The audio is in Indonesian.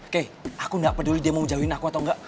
kei aku gak peduli dia mau jauhin aku atau enggak